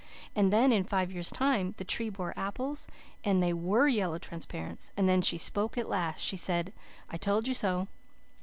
And then, in five years' time, the tree bore apples, and they WERE Yellow Transparents. And then she spoke at last. She said, 'I told you so.